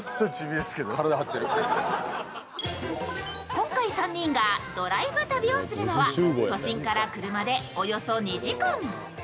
今回３人がドライブ旅をするのは都心から車でおよそ２時間。